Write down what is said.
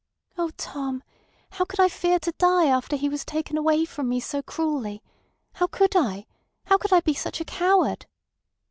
"Oh, Tom! How could I fear to die after he was taken away from me so cruelly! How could I! How could I be such a coward!"